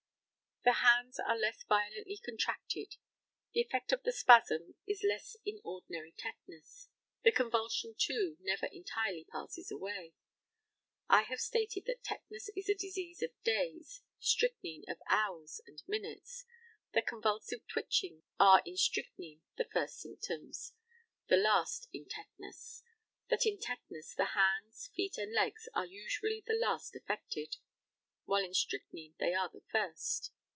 The hands are less violently contracted; the effect of the spasm is less in ordinary tetanus. The convulsion, too, never entirely passes away. I have stated that tetanus is a disease of days, strychnine of hours and minutes; that convulsive twitchings are in strychnine the first symptoms, the last in tetanus; that in tetanus the hands, feet, and legs are usually the last affected, while in strychnine they are the first.